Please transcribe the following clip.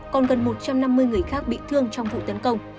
còn gần một trăm năm mươi người khác bị thương trong vụ tấn công